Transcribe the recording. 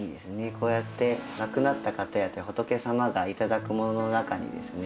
こうやって亡くなった方や仏様が頂くものの中にですね